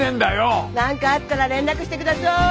何かあったら連絡してください！